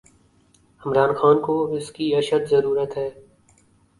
عمران خان کواس کی اشدضرورت ہے۔